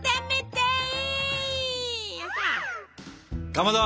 かまど。